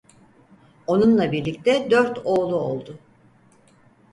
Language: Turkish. Onunla birlikte dört oğlu oldu.